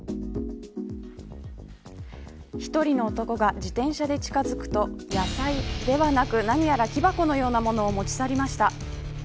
１人の男が自転車で近づくと野菜ではなく何やら木箱のようなものを持ち去りました。